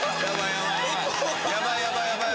やばいやばいやばいやばい！